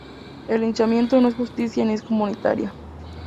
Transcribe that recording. El linchamiento no es justicia ni es comunitaria.